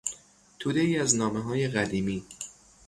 تودهای از نامههای قدیمی